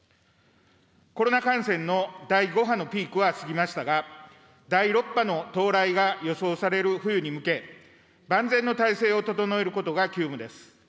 コロナ感染の第５波のピークは過ぎましたが、第６波の到来が予想される冬に向け、万全の体制を整えることが急務です。